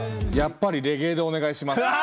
「やっぱりレゲエでお願いします」。